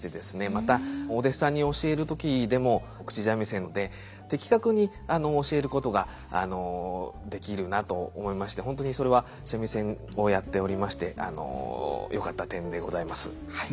またお弟子さんに教える時でも口三味線で的確に教えることができるなと思いまして本当にそれは三味線をやっておりましてよかった点でございます。